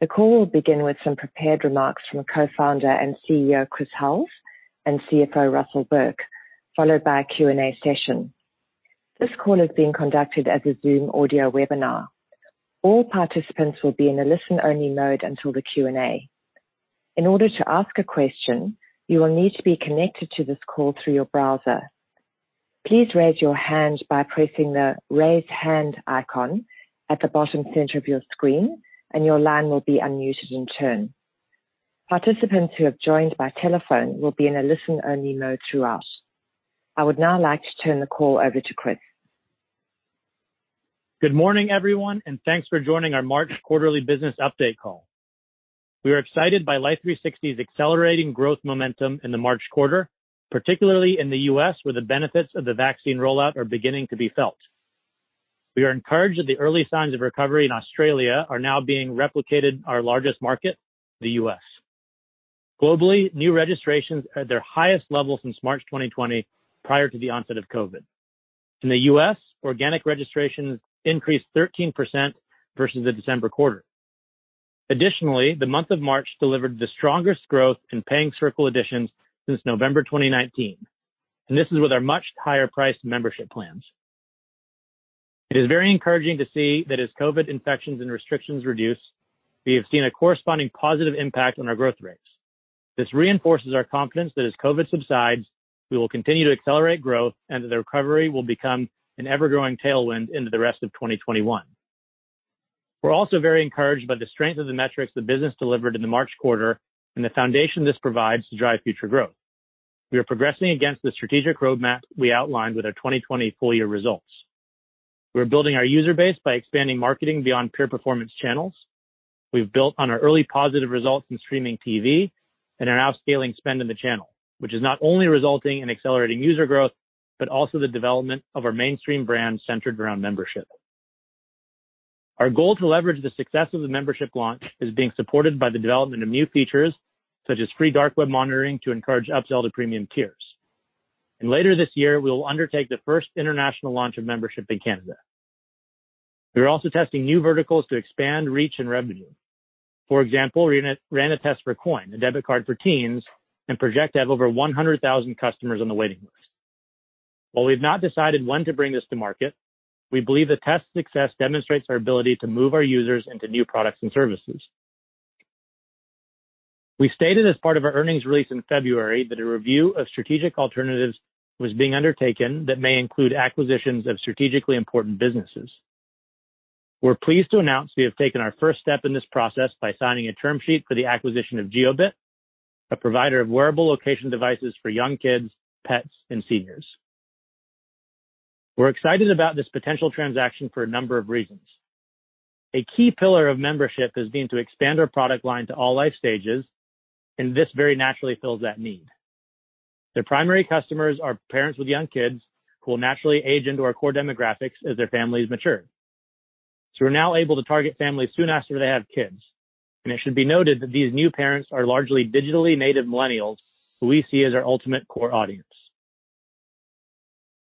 The call will begin with some prepared remarks from Co-Founder and CEO, Chris Hulls, and CFO, Russell Burke, followed by a Q&A session. This call is being conducted as a Zoom audio webinar. All participants will be in a listen-only mode until the Q&A. In order to ask a question, you will need to be connected to this call through your browser. Please raise your hand by pressing the Raise Hand icon at the bottom center of your screen, and your line will be unmuted in turn. Participants who have joined by telephone will be in a listen-only mode throughout. I would now like to turn the call over to Chris. Good morning, everyone, and thanks for joining our March quarterly business update call. We are excited by Life360's accelerating growth momentum in the March quarter, particularly in the U.S., where the benefits of the vaccine rollout are beginning to be felt. We are encouraged that the early signs of recovery in Australia are now being replicated in our largest market, the U.S. Globally, new registrations are at their highest level since March 2020, prior to the onset of COVID. In the U.S., organic registrations increased 13% versus the December quarter. Additionally, the month of March delivered the strongest growth in paying Circle additions since November 2019. This is with our much higher-priced membership plans. It is very encouraging to see that as COVID infections and restrictions reduce, we have seen a corresponding positive impact on our growth rates. This reinforces our confidence that as COVID subsides, we will continue to accelerate growth and that the recovery will become an ever-growing tailwind into the rest of 2021. We're also very encouraged by the strength of the metrics the business delivered in the March quarter, and the foundation this provides to drive future growth. We are progressing against the strategic roadmap we outlined with our 2020 full-year results. We're building our user base by expanding marketing beyond pure performance channels. We've built on our early positive results in streaming TV, and are now scaling spend in the channel, which is not only resulting in accelerating user growth, but also the development of our mainstream brand centered around membership. Our goal to leverage the success of the membership launch is being supported by the development of new features, such as free dark web monitoring to encourage upsell to premium tiers. Later this year, we will undertake the first international launch of membership in Canada. We are also testing new verticals to expand, reach, and revenue. For example, we ran a test for Coin, a debit card for teens, and project to have over 100,000 customers on the waiting list. While we've not decided when to bring this to market, we believe the test success demonstrates our ability to move our users into new products and services. We stated as part of our earnings release in February that a review of strategic alternatives was being undertaken that may include acquisitions of strategically important businesses. We're pleased to announce we have taken our first step in this process by signing a term sheet for the acquisition of Jiobit, a provider of wearable location devices for young kids, pets, and seniors. We're excited about this potential transaction for a number of reasons. A key pillar of membership has been to expand our product line to all life stages, this very naturally fills that need. Their primary customers are parents with young kids who will naturally age into our core demographics as their families mature. We're now able to target families soon after they have kids, and it should be noted that these new parents are largely digitally native millennials who we see as our ultimate core audience.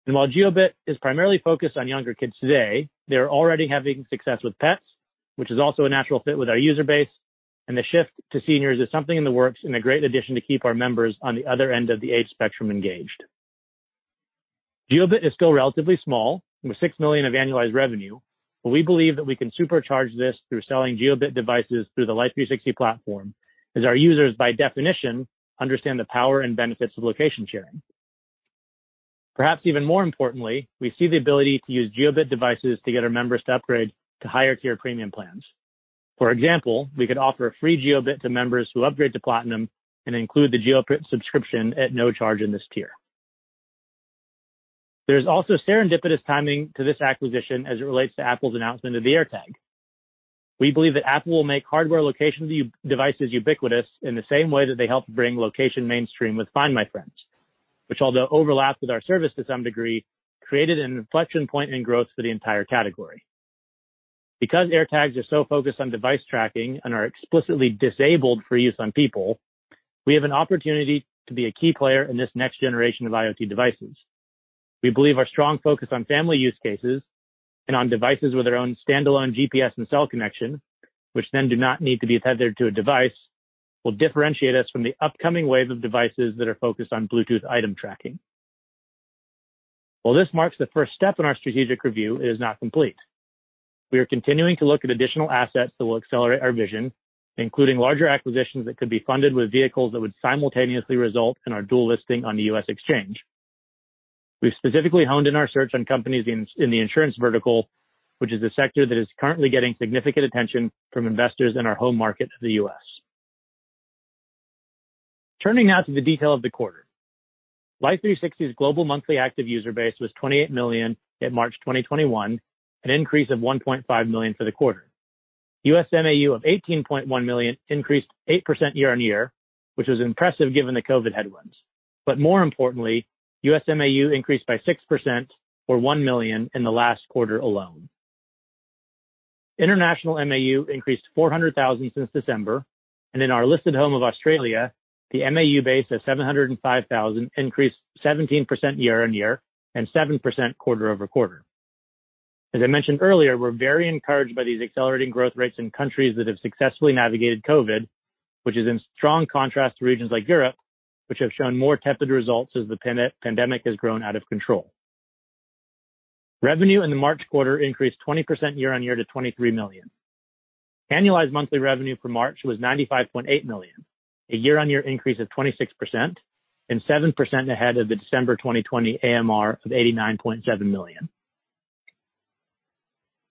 While Jiobit is primarily focused on younger kids today, they're already having success with pets, which is also a natural fit with our user base, and the shift to seniors is something in the works and a great addition to keep our members on the other end of the age spectrum engaged. Jiobit is still relatively small, with $6 million of annualized revenue. We believe that we can supercharge this through selling Jiobit devices through the Life360 platform, as our users by definition understand the power and benefits of location sharing. Perhaps even more importantly, we see the ability to use Jiobit devices to get our members to upgrade to higher-tier premium plans. For example, we could offer a free Jiobit to members who upgrade to Platinum and include the Jiobit subscription at no charge in this tier. There's also serendipitous timing to this acquisition as it relates to Apple's announcement of the AirTag. We believe that Apple will make hardware location devices ubiquitous in the same way that they helped bring location mainstream with Find My Friends, which although overlaps with our service to some degree, created an inflection point in growth for the entire category. AirTags are so focused on device tracking and are explicitly disabled for use on people, we have an opportunity to be a key player in this next generation of IoT devices. We believe our strong focus on family use cases and on devices with their own standalone GPS and cell connection, which then do not need to be tethered to a device, will differentiate us from the upcoming wave of devices that are focused on Bluetooth item tracking. While this marks the first step in our strategic review, it is not complete. We are continuing to look at additional assets that will accelerate our vision, including larger acquisitions that could be funded with vehicles that would simultaneously result in our dual listing on the U.S. exchange. We've specifically honed in our search on companies in the insurance vertical, which is a sector that is currently getting significant attention from investors in our home market to the U.S. Turning now to the detail of the quarter. Life360's global monthly active user base was 28 million in March 2021, an increase of 1.5 million for the quarter. U.S. MAU of 18.1 million increased 8% year-on-year, which was impressive given the COVID headwinds. More importantly, U.S. MAU increased by 6%, or 1 million, in the last quarter alone. International MAU increased 400,000 since December, and in our listed home of Australia, the MAU base of 705,000 increased 17% year-on-year and 7% quarter-over-quarter. I mentioned earlier, we're very encouraged by these accelerating growth rates in countries that have successfully navigated COVID, which is in strong contrast to regions like Europe, which have shown more tepid results as the pandemic has grown out of control. Revenue in the March quarter increased 20% year-on-year to $23 million. Annualized monthly revenue for March was $95.8 million, a year-on-year increase of 26% and 7% ahead of the December 2020 AMR of $89.7 million.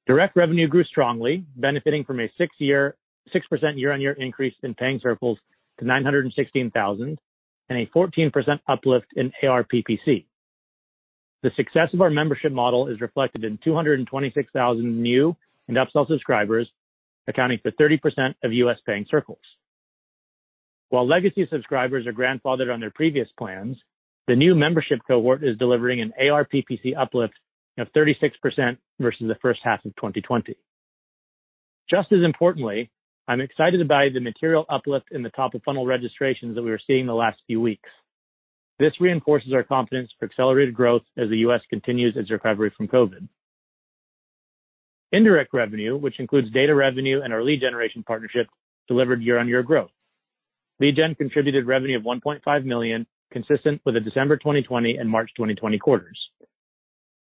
Direct revenue grew strongly, benefiting from a 6% year-on-year increase in paying Circles to 916,000 and a 14% uplift in ARPPC. The success of our membership model is reflected in 226,000 new and upsell subscribers, accounting for 30% of U.S. paying Circles. While legacy subscribers are grandfathered on their previous plans, the new membership cohort is delivering an ARPPC uplift of 36% versus the first half of 2020. Just as importantly, I'm excited about the material uplift in the top-of-funnel registrations that we are seeing the last few weeks. This reinforces our confidence for accelerated growth as the U.S. continues its recovery from COVID. Indirect revenue, which includes data revenue and our lead generation partnership, delivered year-on-year growth. Lead gen contributed revenue of $1.5 million, consistent with the December 2020 and March 2020 quarters.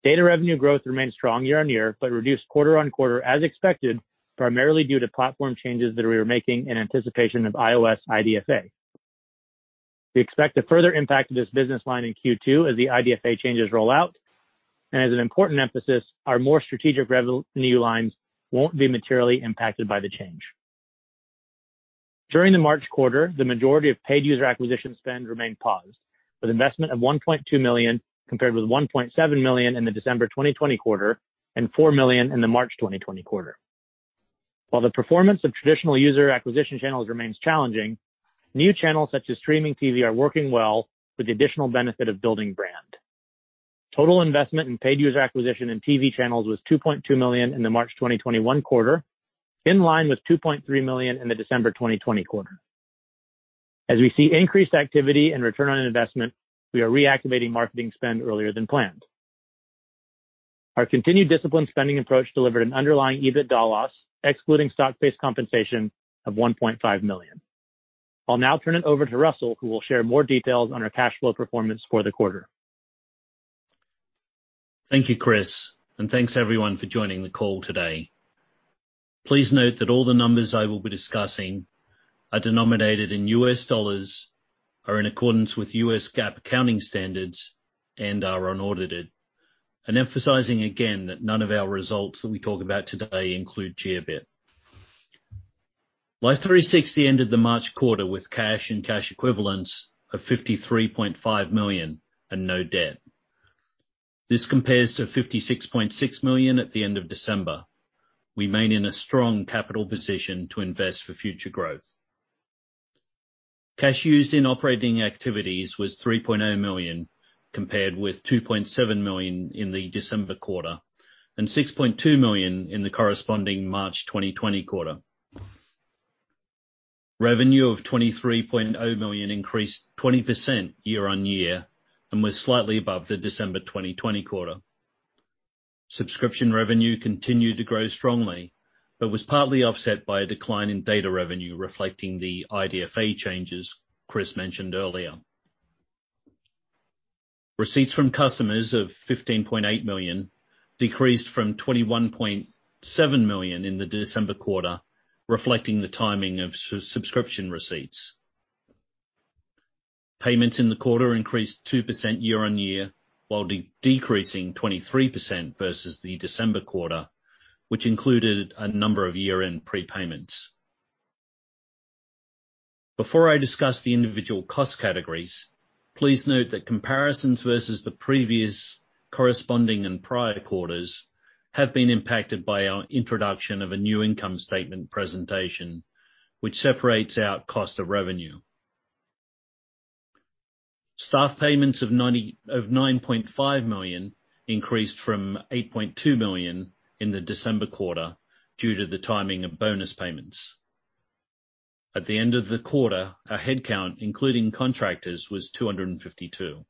Data revenue growth remained strong year-on-year, but reduced quarter-on-quarter as expected, primarily due to platform changes that we were making in anticipation of iOS IDFA. We expect a further impact to this business line in Q2 as the IDFA changes roll out. As an important emphasis, our more strategic revenue lines won't be materially impacted by the change. During the March quarter, the majority of paid user acquisition spend remained paused with investment of $1.2 million, compared with $1.7 million in the December 2020 quarter, and $4 million in the March 2020 quarter. While the performance of traditional user acquisition channels remains challenging, new channels such as streaming TV are working well with the additional benefit of building brand. Total investment in paid user acquisition and TV channels was $2.2 million in the March 2021 quarter, in line with $2.3 million in the December 2020 quarter. As we see increased activity and return on investment, we are reactivating marketing spend earlier than planned. Our continued disciplined spending approach delivered an underlying EBITDA loss, excluding stock-based compensation, of $1.5 million. I'll now turn it over to Russell, who will share more details on our cash flow performance for the quarter. Thank you, Chris. Thanks everyone for joining the call today. Please note that all the numbers I will be discussing are denominated in U.S. dollars, are in accordance with U.S. GAAP accounting standards, and are unaudited. Emphasizing again that none of our results that we talk about today include Jiobit. Life360 ended the March quarter with cash and cash equivalents of $53.5 million and no debt. This compares to $56.6 million at the end of December. We remain in a strong capital position to invest for future growth. Cash used in operating activities was $3.0 million, compared with $2.7 million in the December quarter and $6.2 million in the corresponding March 2020 quarter. Revenue of $23.0 million increased 20% year-on-year and was slightly above the December 2020 quarter. Subscription revenue continued to grow strongly, but was partly offset by a decline in data revenue, reflecting the IDFA changes Chris mentioned earlier. Receipts from customers of $15.8 million decreased from $21.7 million in the December quarter, reflecting the timing of subscription receipts. Payments in the quarter increased 2% year-on-year, while decreasing 23% versus the December quarter, which included a number of year-end prepayments. Before I discuss the individual cost categories, please note that comparisons versus the previous corresponding and prior quarters have been impacted by our introduction of a new income statement presentation, which separates out cost of revenue. Staff payments of $9.5 million increased from $8.2 million in the December quarter due to the timing of bonus payments. At the end of the quarter, our headcount, including contractors, was 252.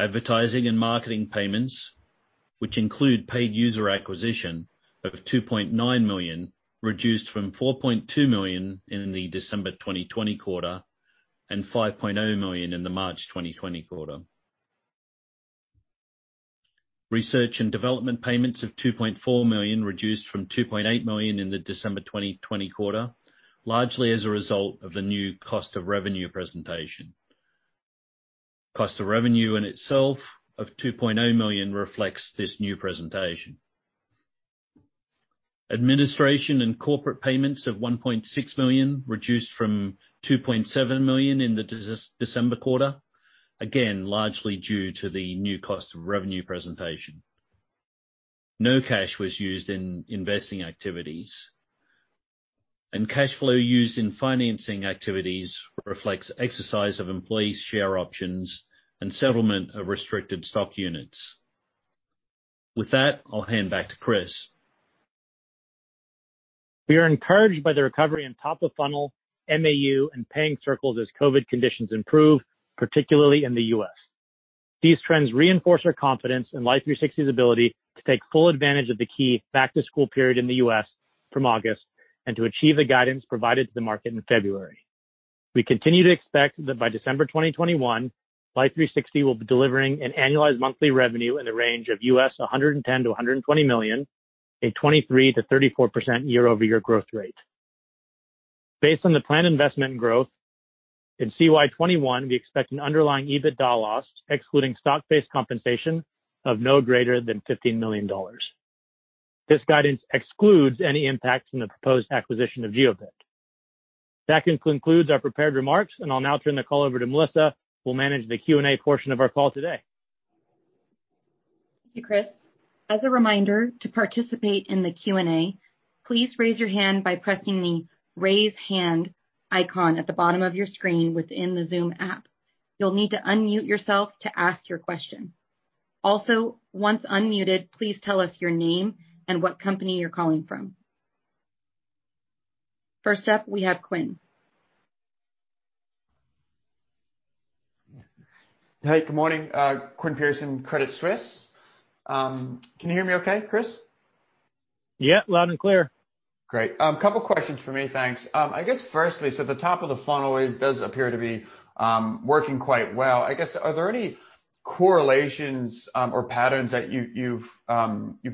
Advertising and marketing payments, which include paid user acquisition of $2.9 million, reduced from $4.2 million in the December 2020 quarter and $5.0 million in the March 2020 quarter. Research and development payments of $2.4 million reduced from $2.8 million in the December 2020 quarter, largely as a result of the new cost of revenue presentation. Cost of revenue in itself of $2.0 million reflects this new presentation. Administration and corporate payments of $1.6 million reduced from $2.7 million in the December quarter, again, largely due to the new cost of revenue presentation. No cash was used in investing activities. Cash flow used in financing activities reflects exercise of employee share options and settlement of restricted stock units. With that, I'll hand back to Chris. We are encouraged by the recovery in top of funnel, MAU, and paying Circles as COVID conditions improve, particularly in the U.S. These trends reinforce our confidence in Life360's ability to take full advantage of the key back-to-school period in the U.S. from August, and to achieve the guidance provided to the market in February. We continue to expect that by December 2021, Life360 will be delivering an annualized monthly revenue in the range of $110 million-$120 million, a 23%-34% year-over-year growth rate. Based on the planned investment growth, in CY 2021, we expect an underlying EBITDA loss, excluding stock-based compensation, of no greater than $15 million. This guidance excludes any impact from the proposed acquisition of Jiobit. That concludes our prepared remarks, and I'll now turn the call over to Melissa, who will manage the Q&A portion of our call today. Thank you, Chris. As a reminder, to participate in the Q&A, please raise your hand by pressing the Raise Hand icon at the bottom of your screen within the Zoom app. You'll need to unmute yourself to ask your question. Also, once unmuted, please tell us your name and what company you're calling from. First up, we have Quinn. Hey, good morning. Quinn Pierson, Credit Suisse. Can you hear me okay, Chris? Yeah. Loud and clear. Great. Couple questions for me, thanks. I guess firstly, the top of the funnel always does appear to be working quite well. I guess, are there any correlations or patterns that you've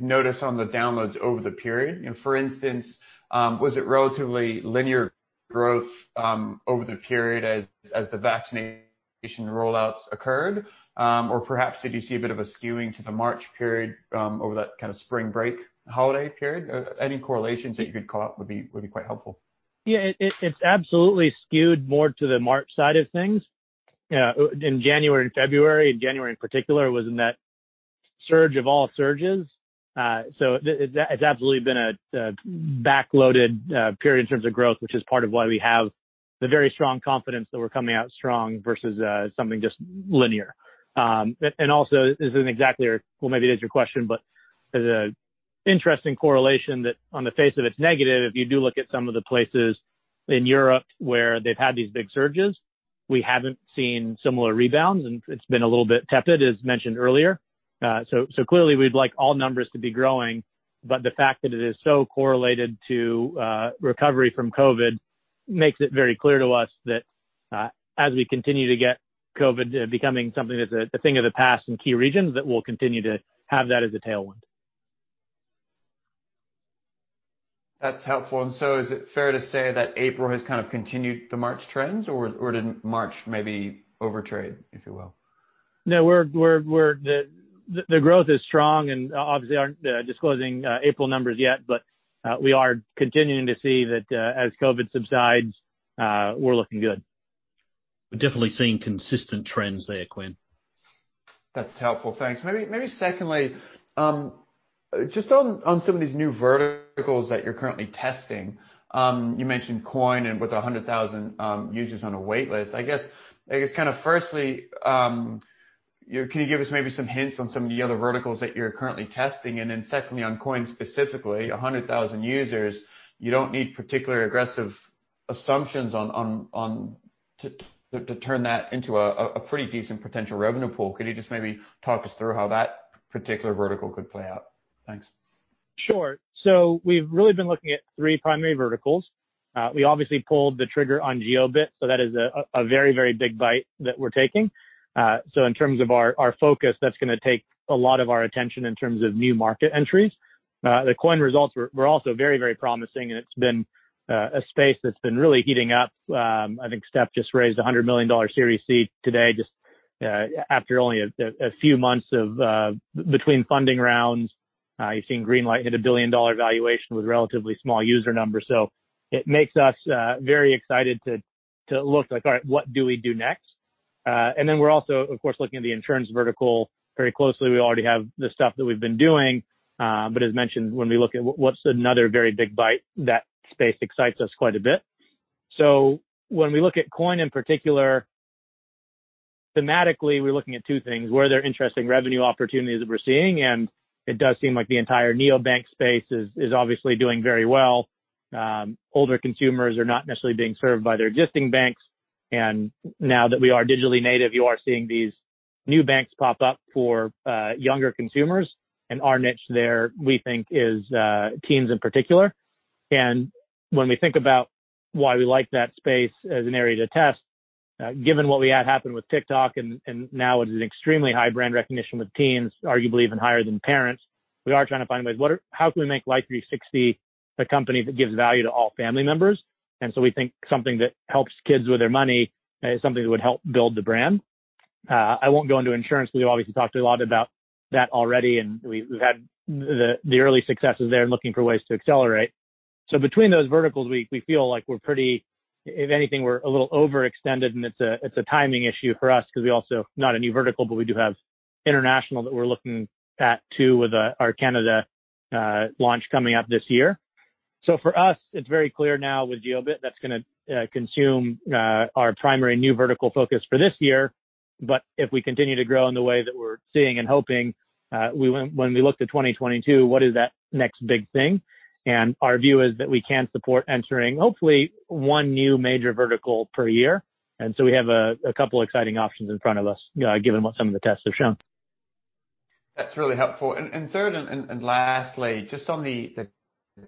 noticed on the downloads over the period? For instance, was it relatively linear growth over the period as the vaccination rollouts occurred? Perhaps, did you see a bit of a skewing to the March period over that kind of spring break holiday period? Any correlations that you could call out would be quite helpful. Yeah. It's absolutely skewed more to the March side of things. In January and February, and January in particular, was in that surge of all surges. It's absolutely been a back-loaded period in terms of growth, which is part of why we have the very strong confidence that we're coming out strong versus something just linear. Also, this isn't exactly, or well, maybe it is your question, but there's an interesting correlation that on the face of it's negative, if you do look at some of the places in Europe where they've had these big surges, we haven't seen similar rebounds, and it's been a little bit tepid, as mentioned earlier. Clearly we'd like all numbers to be growing, the fact that it is so correlated to recovery from COVID makes it very clear to us that as we continue to get COVID becoming something that's a thing of the past in key regions, that we'll continue to have that as a tailwind. That's helpful. Is it fair to say that April has kind of continued the March trends, or did March maybe overtrade, if you will? No. The growth is strong, and obviously aren't disclosing April numbers yet, but we are continuing to see that as COVID subsides, we're looking good. We're definitely seeing consistent trends there, Quinn. That's helpful. Thanks. Maybe secondly, just on some of these new verticals that you're currently testing. You mentioned Coin and with 100,000 users on a wait list. I guess kind of firstly, can you give us maybe some hints on some of the other verticals that you're currently testing? Then secondly, on Coin specifically, 100,000 users, you don't need particularly aggressive assumptions to turn that into a pretty decent potential revenue pool. Could you just maybe talk us through how that particular vertical could play out? Thanks. Sure. We've really been looking at three primary verticals. We obviously pulled the trigger on Jiobit, that is a very big bite that we're taking. In terms of our focus, that's going to take a lot of our attention in terms of new market entries. The Coin results were also very promising, it's been a space that's been really heating up. I think Step just raised a $100 million Series C today just after only a few months between funding rounds. You've seen Greenlight hit a billion-dollar valuation with relatively small user numbers. It makes us very excited to look like, all right, what do we do next? We're also, of course, looking at the insurance vertical very closely. We already have the stuff that we've been doing. As mentioned, when we look at what's another very big bite, that space excites us quite a bit. When we look at Coin in particular, thematically, we're looking at two things. Where there are interesting revenue opportunities that we're seeing, and it does seem like the entire neobank space is obviously doing very well. Older consumers are not necessarily being served by their existing banks, and now that we are digitally native, you are seeing these new banks pop up for younger consumers. Our niche there, we think, is teens in particular. When we think about why we like that space as an area to test, given what we had happen with TikTok, and now it is an extremely high brand recognition with teens, arguably even higher than parents. We are trying to find ways, how can we make Life360 a company that gives value to all family members. We think something that helps kids with their money is something that would help build the brand. I won't go into insurance. We've obviously talked a lot about that already, and we've had the early successes there and looking for ways to accelerate. Between those verticals, we feel like we're pretty, if anything, we're a little overextended, and it's a timing issue for us because we also, not a new vertical, but we do have international that we're looking at too, with our Canada launch coming up this year. For us, it's very clear now with Jiobit, that's going to consume our primary new vertical focus for this year. If we continue to grow in the way that we're seeing and hoping, when we looked at 2022, what is that next big thing? Our view is that we can support entering hopefully one new major vertical per year. We have a couple exciting options in front of us given what some of the tests have shown. That's really helpful. Thirdly, and lastly, just on the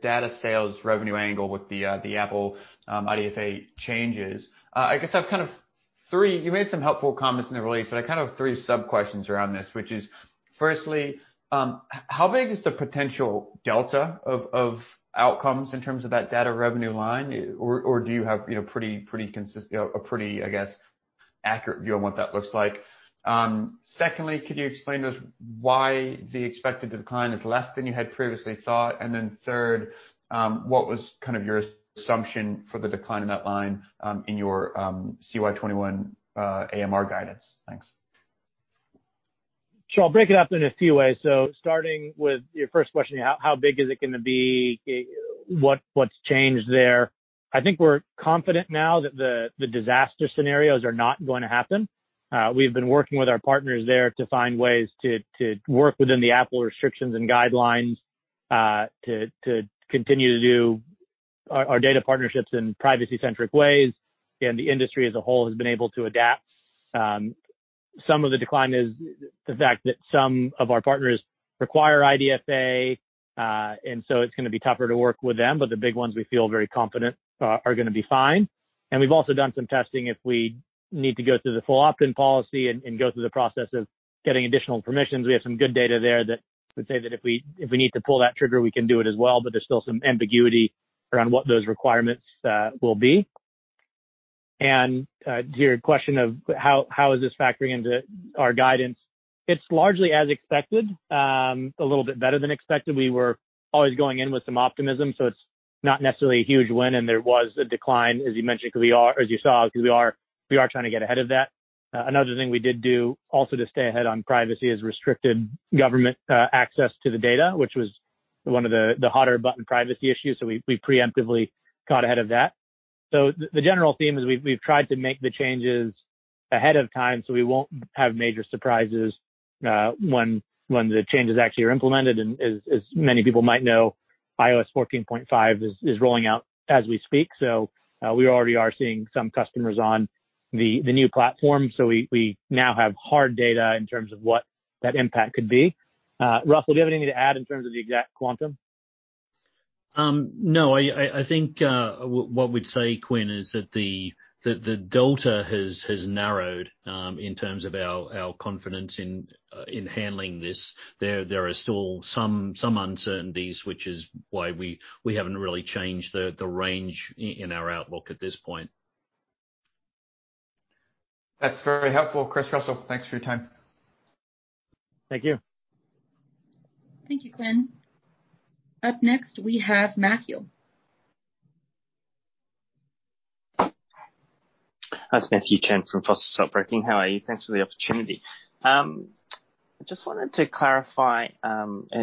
data sales revenue angle with the Apple IDFA changes. You made some helpful comments in the release, but I kind of have three sub-questions around this, which is, firstly, how big is the potential delta of outcomes in terms of that data revenue line, or do you have a pretty, I guess, accurate view on what that looks like? Secondly, could you explain to us why the expected decline is less than you had previously thought? Thirdly, what was your assumption for the decline in that line in your CY 2021 AMR guidance? Thanks. Sure. I'll break it up in a few ways. Starting with your first question, how big is it going to be? What's changed there? I think we're confident now that the disaster scenarios are not going to happen. We've been working with our partners there to find ways to work within the Apple restrictions and guidelines, to continue to do our data partnerships in privacy-centric ways. The industry as a whole has been able to adapt. Some of the decline is the fact that some of our partners require IDFA, and so it's going to be tougher to work with them. The big ones, we feel very confident are going to be fine. We've also done some testing if we need to go through the full opt-in policy and go through the process of getting additional permissions. We have some good data there that would say that if we need to pull that trigger, we can do it as well. There's still some ambiguity around what those requirements will be. To your question of how is this factoring into our guidance, it's largely as expected. A little bit better than expected. We were always going in with some optimism, so it's not necessarily a huge win. There was a decline, as you saw, because we are trying to get ahead of that. Another thing we did do also to stay ahead on privacy is restricted government access to the data, which was one of the hotter button privacy issues. We preemptively got ahead of that. The general theme is we've tried to make the changes ahead of time so we won't have major surprises when the changes actually are implemented. As many people might know, iOS 14.5 is rolling out as we speak. We already are seeing some customers on the new platform. We now have hard data in terms of what that impact could be. Russell, do you have anything to add in terms of the exact quantum? No. I think what we'd say, Quinn, is that the delta has narrowed in terms of our confidence in handling this. There are still some uncertainties, which is why we haven't really changed the range in our outlook at this point. That's very helpful, Chris, Russell. Thanks for your time. Thank you. Thank you, Quinn. Up next, we have Matthew. It's Matthew Chen from Foster Stockbroking. How are you? Thanks for the opportunity. I just wanted to clarify,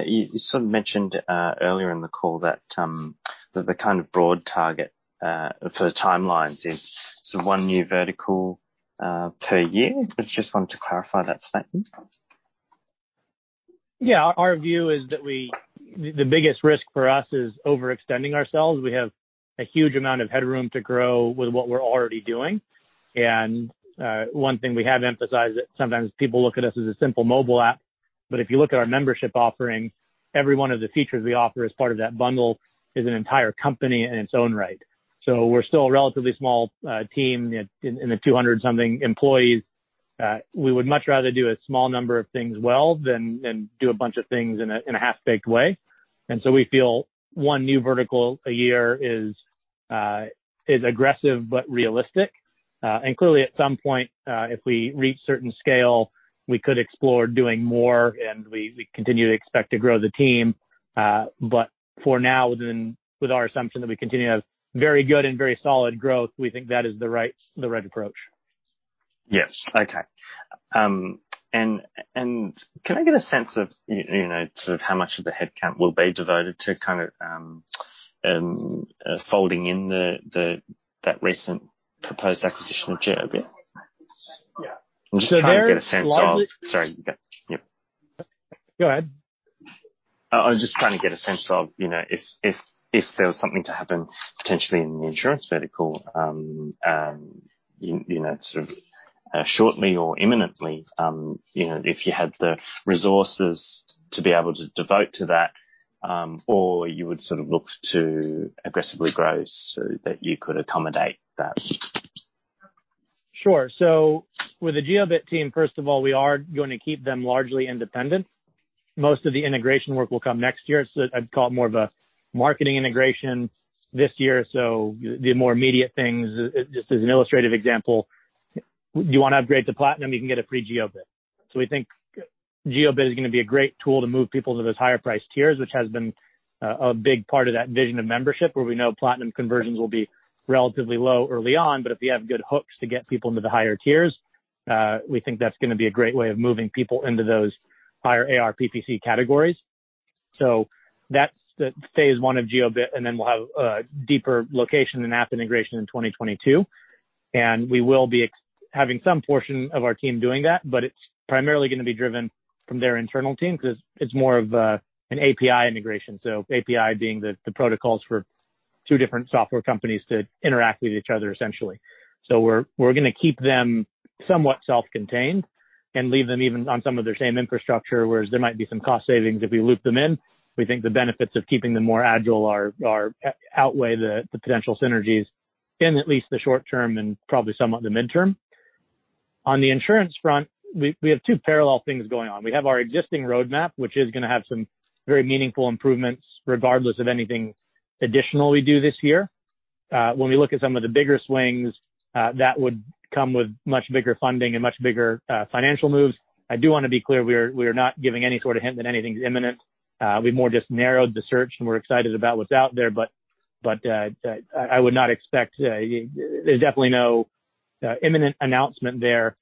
you sort of mentioned earlier in the call that the kind of broad target for the timelines is one new vertical per year. I just wanted to clarify that statement. Yeah. Our view is that the biggest risk for us is overextending ourselves. We have a huge amount of headroom to grow with what we're already doing. One thing we have emphasized that sometimes people look at us as a simple mobile app. If you look at our membership offering, every one of the features we offer as part of that bundle is an entire company in its own right. We're still a relatively small team in the 200-something employees. We would much rather do a small number of things well than do a bunch of things in a half-baked way. We feel one new vertical a year is aggressive but realistic. Clearly, at some point, if we reach certain scale, we could explore doing more, and we continue to expect to grow the team. For now, with our assumption that we continue to have very good and very solid growth, we think that is the right approach. Yes. Okay. Can I get a sense of how much of the headcount will be devoted to folding in that recent proposed acquisition of Jiobit? Yeah. I'm just trying to get a sense of- Very slightly. Sorry. Yeah. Go ahead. I was just trying to get a sense of if there was something to happen potentially in the insurance vertical shortly or imminently, if you had the resources to be able to devote to that, or you would sort of look to aggressively grow so that you could accommodate that. Sure. With the Jiobit team, first of all, we are going to keep them largely independent. Most of the integration work will come next year. I'd call it more of a marketing integration this year. The more immediate things, just as an illustrative example, you want to upgrade to Platinum, you can get a free Jiobit. We think Jiobit is going to be a great tool to move people to those higher-priced tiers, which has been a big part of that vision of membership where we know Platinum conversions will be relatively low early on. If we have good hooks to get people into the higher tiers, we think that's going to be a great way of moving people into those higher ARPPC categories. That's the phase one of Jiobit, and then we'll have deeper location and app integration in 2022. We will be having some portion of our team doing that. It's primarily going to be driven from their internal team because it's more of an API integration. API being the protocols for two different software companies to interact with each other, essentially. We're going to keep them somewhat self-contained and leave them even on some of their same infrastructure, whereas there might be some cost savings if we loop them in. We think the benefits of keeping them more agile outweigh the potential synergies in at least the short term and probably somewhat the midterm. On the insurance front, we have two parallel things going on. We have our existing roadmap, which is going to have some very meaningful improvements regardless of anything additional we do this year. When we look at some of the bigger swings, that would come with much bigger funding and much bigger financial moves. I do want to be clear, we are not giving any sort of hint that anything's imminent. We more just narrowed the search, and we're excited about what's out there. There's definitely no imminent announcement there.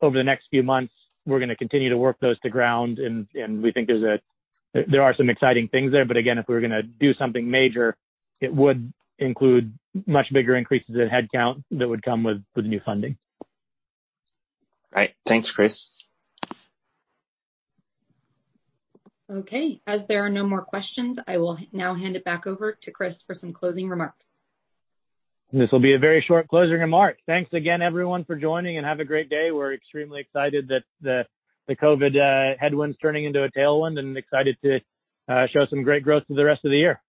Over the next few months, we're going to continue to work those to ground, and we think there are some exciting things there. Again, if we were going to do something major, it would include much bigger increases in headcount that would come with new funding. Great. Thanks, Chris. Okay. As there are no more questions, I will now hand it back over to Chris for some closing remarks. This will be a very short closing remark. Thanks again, everyone, for joining, and have a great day. We're extremely excited that the COVID headwinds turning into a tailwind and excited to show some great growth through the rest of the year.